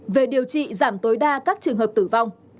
về điều trị giảm tối đa các trường hợp tử vong